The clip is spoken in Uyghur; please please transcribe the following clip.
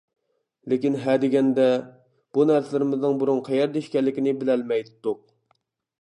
لېكىن ھە دېگەندە، بۇ نەرسىلىرىمىزنىڭ بۇرۇن قەيەردە ئىكەنلىكىنى بىلەلمەيتتۇق.